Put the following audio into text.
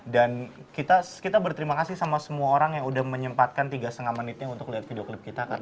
dan kita berterima kasih sama semua orang yang udah menyempatkan tiga setengah menitnya untuk liat video klip kita